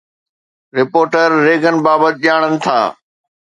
reporter Reagan بابت ڄاڻن ٿا